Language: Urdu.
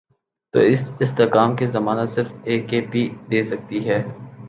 تو اس استحکام کی ضمانت صرف اے کے پی دے سکتی ہے۔